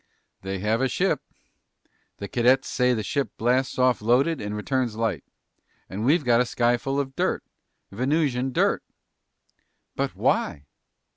"They have a ship. The cadets say the ship blasts off loaded and returns light. And we've got the sky full of dirt. Venusian dirt!" "But why?"